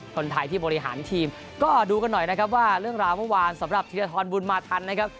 คนไทยที่บริหารทีมก็ดูกันหน่อยนะครับว่าเรื่องราวเมื่อวานสำหรับธีรทรบุญมาทันนะครับ